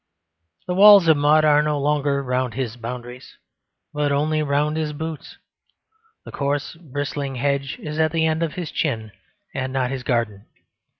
The walls of mud are no longer round his boundaries, but only round his boots. The coarse, bristling hedge is at the end of his chin, and not of his garden.